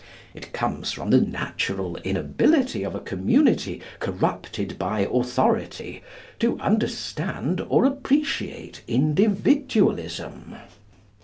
It comes from the natural inability of a community corrupted by authority to understand or appreciate Individualism.